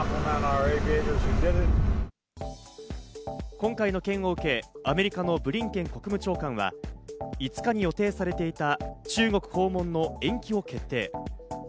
今回の件を受け、アメリカのブリンケン国務長官は５日に予定されていた中国訪問の延期を決定。